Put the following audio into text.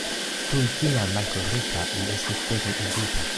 Tuj kiam malkovrita, li estus pereigita.